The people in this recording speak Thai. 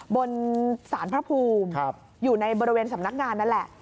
บนสารพระภูมิอยู่ในบริเวณสำนักงานนั่นแหละ